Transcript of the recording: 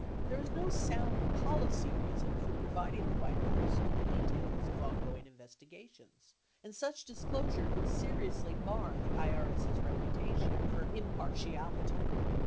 There is no sound policy reason for providing the White House with the details of on going investigations, and such disclosure could seriously mar the IRS's reputation for impartiality.